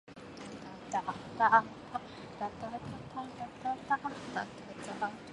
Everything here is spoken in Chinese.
旧长型大厦或长型大厦是香港公共屋邨大厦的一种。